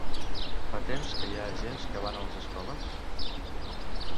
Fa temps que hi ha agents que van a les escoles?